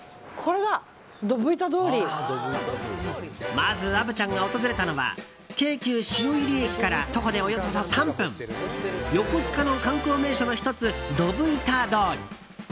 まず、虻ちゃんが訪れたのは京急汐入駅から徒歩でおよそ３分横須賀の観光名所の１つドブ板通り。